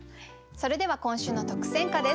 それでは今週の特選歌です。